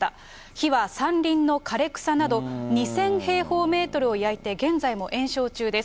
火は山林の枯れ草など２０００平方メートルを焼いて現在も延焼中です。